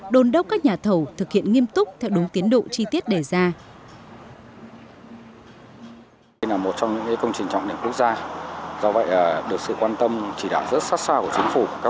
đồn đốc các nhà thầu thực hiện nghiêm túc theo đúng tiến độ chi tiết đề ra